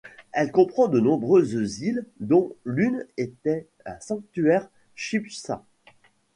Elle comprend de nombreuses îles dont l'une était un sanctuaire chibcha.